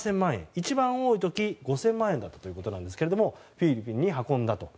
一番多い時、５０００万円だったということなんですがフィリピンに運んだと。